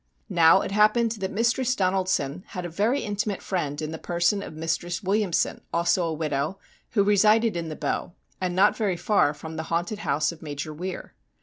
Now, it happened that Mistress Donaldson had a very intimate friend in the person of Mistress William son, also a widow, who resided in the Bow, and not very far from the haunted house of Major Weir.